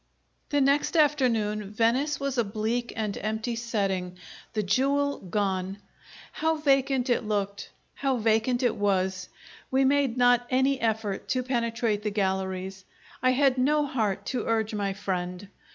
The next afternoon Venice was a bleak and empty setting, the jewel gone. How vacant it looked, how vacant it was! We made not any effort to penetrate the galleries; I had no heart to urge my friend.